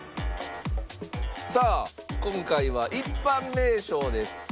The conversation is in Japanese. さあ今回は一般名称です。